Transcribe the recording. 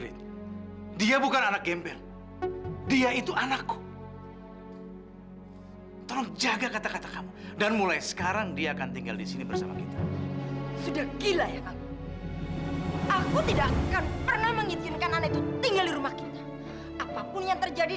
sampai jumpa di video selanjutnya